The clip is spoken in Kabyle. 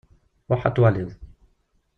Ruḥ ad twaliḍ.